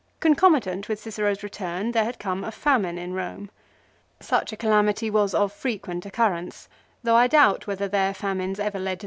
Concomitant with Cicero's return there had come a famine in Eome. Such a calamity was of frequent occurrence, though I doubt whether their famines ever led to mortality 1 Ad.